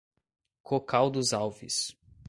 Cocal dos Alves